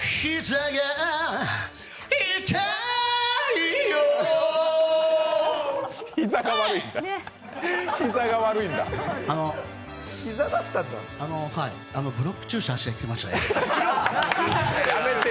あの、ブロック注射してきました。